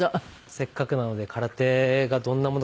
せっかくなので空手がどんなものか。